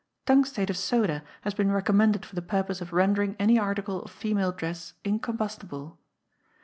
Tungstate of soda has been recommended for the purpose of rendering any article of female dress incombustible.